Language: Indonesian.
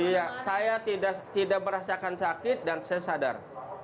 iya saya tidak merasakan sakit dan saya sadar